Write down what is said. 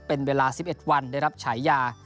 เป็นเวลา๑๑วันได้รับฉายา